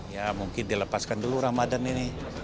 ya mungkin dilepaskan dulu ramadan ini